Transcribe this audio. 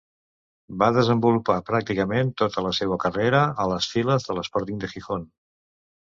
Va desenvolupar pràcticament tota la seua carrera a les files de l'Sporting de Gijón.